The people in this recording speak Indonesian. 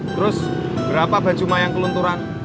terus berapa baju mayang kelunturan